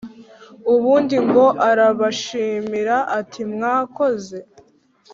ubundi ngo arabashimira ati mwakoze